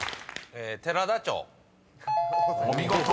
「寺田町」［お見事。